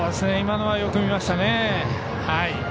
今のはよく見ましたね。